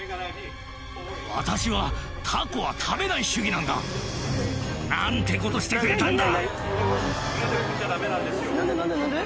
私は、タコは食べない主義なんだ。なんてことしてくれたんだ。